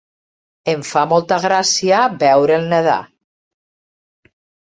Em fa molta gràcia veure'l nedar.